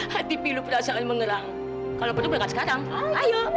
hati pilih perasaan mengerang kalau perlu berangkat sekarang ayo